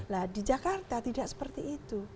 nah di jakarta tidak seperti itu